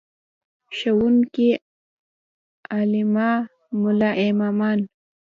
ښوونکي، علما، ملا امامان.